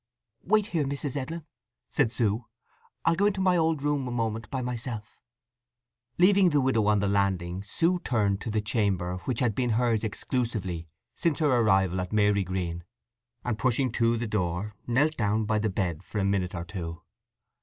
"Wait here, Mrs. Edlin," said Sue. "I'll go into my old room a moment by myself." Leaving the widow on the landing Sue turned to the chamber which had been hers exclusively since her arrival at Marygreen, and pushing to the door knelt down by the bed for a minute or two.